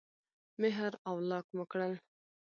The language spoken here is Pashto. مهر او لاک مو کړل.